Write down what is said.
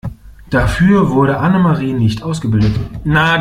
Dafür wurde Annemarie nicht ausgebildet.